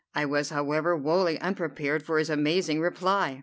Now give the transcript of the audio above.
I was, however, wholly unprepared for his amazing reply.